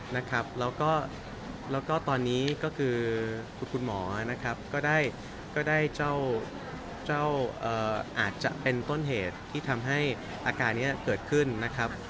แล้วก็ตอนนี้ก็คือคุณหมอนะครับก็ได้เจ้าอาจจะเป็นต้นเหตุที่ทำให้อาการนี้เกิดขึ้นนะครับ